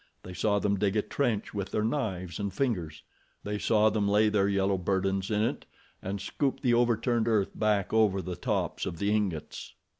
They saw them dig a trench with their knives and fingers. They saw them lay their yellow burdens in it and scoop the overturned earth back over the tops of the ingots.